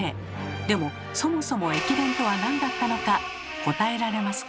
でもそもそも駅伝とはなんだったのか答えられますか？